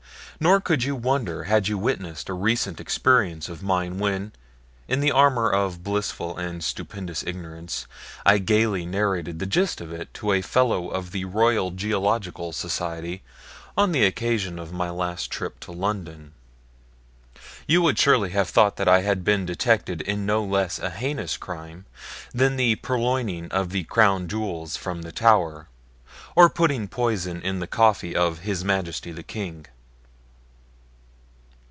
Nor could you wonder had you witnessed a recent experience of mine when, in the armor of blissful and stupendous ignorance, I gaily narrated the gist of it to a Fellow of the Royal Geological Society on the occasion of my last trip to London. You would surely have thought that I had been detected in no less a heinous crime than the purloining of the Crown Jewels from the Tower, or putting poison in the coffee of His Majesty the King.